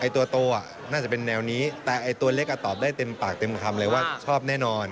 ตัวโตน่าจะเป็นแนวนี้แต่ตัวเล็กตอบได้เต็มปากเต็มคำเลยว่าชอบแน่นอน